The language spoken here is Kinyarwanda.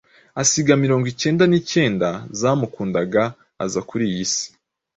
asiga mirongo icyenda n’icyenda zamukundaga aza kuri iyi si “